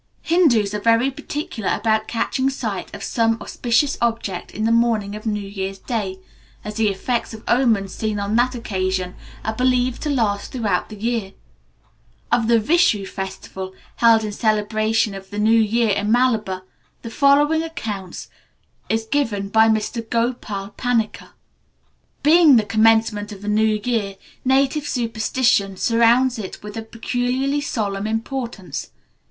Hindus are very particular about catching sight of some auspicious object on the morning of New Year's Day, as the effects of omens seen on that occasion are believed to last throughout the year. Of the Vishu festival, held in celebration of the New Year in Malabar, the following account is given by Mr Gopal Panikkar. "Being the commencement of a new year, native superstition surrounds it with a peculiarly solemn importance.